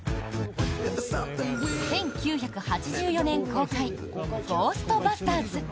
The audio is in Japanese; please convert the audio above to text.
１９８４年公開「ゴーストバスターズ」。